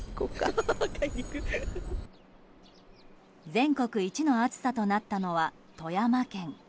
全国一の暑さとなったのは富山県。